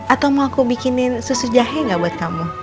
atau mau aku bikinin susu jahe gak buat kamu